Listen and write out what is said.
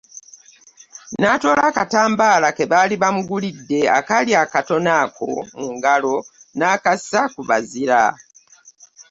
N'atoola akatambaala ke baali bamugulidde akaali akatono ako mu ngalo n'akassa ku Bazira.